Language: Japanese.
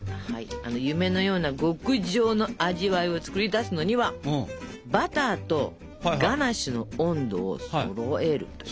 夢のような極上の味わいを作り出すのにはバターとガナッシュの温度をそろえるという。